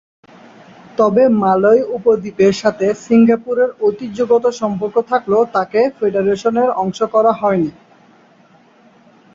তবে মালয় উপদ্বীপের সাথে সিঙ্গাপুরের ঐতিহ্যগত সম্পর্ক থাকলেও তাকে ফেডারেশনের অংশ করা হয়নি।